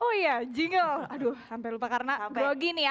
oh iya jingle aduh sampai lupa karena grogi nih aku